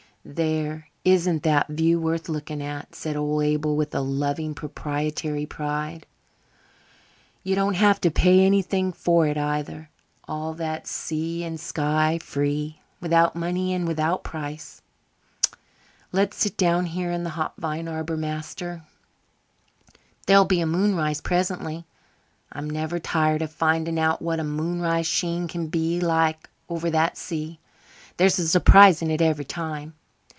"There, isn't that view worth looking at?" said old Abel, with a loving, proprietary pride. "You don't have to pay anything for it, either. All that sea and sky free 'without money and without price'. Let's sit down here in the hop vine arbour, master. There'll be a moonrise presently. I'm never tired of finding out what a moonrise sheen can be like over that sea. There's a surprise in it every time.